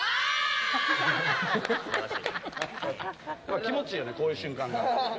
気持ちいいよねこういう瞬間が。